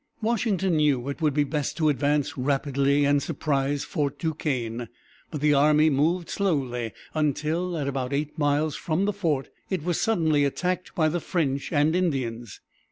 ] Washington knew it would be best to advance rapidly and surprise Fort Duquesne; but the army moved slowly until, at about eight miles from the fort, it was suddenly attacked by the French and Indians.